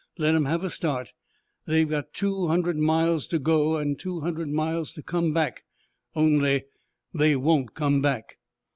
Let 'em have a start! They've got two hundred miles to go, an' two hundred miles to come back. Only they won't come back!"